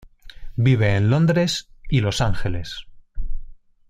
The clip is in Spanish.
Vive en Londres y Los Ángeles.